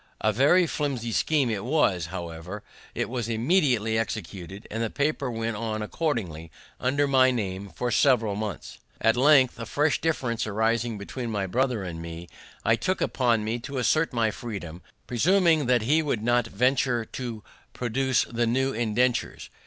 A very flimsy scheme it was; however, it was immediately executed, and the paper went on accordingly, under my name for several months. At length, a fresh difference arising between my brother and me, I took upon me to assert my freedom, presuming that he would not venture to produce the new indentures.